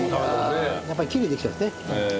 やっぱりきれいにできてますね。